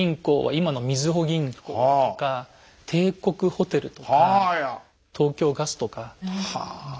今のみずほ銀行とか帝国ホテルとか東京ガスとか。